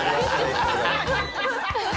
ハハハハハ！